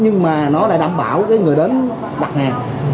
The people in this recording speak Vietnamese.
nhưng mà nó lại đảm bảo cái người đến đặt hàng